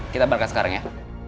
kita balikkan sekarang ya